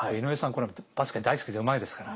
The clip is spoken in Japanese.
このバスケ大好きでうまいですから。